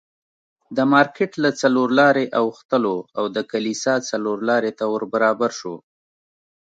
د مارکېټ له څلور لارې اوښتلو او د کلیسا څلورلارې ته ور برابر شوو.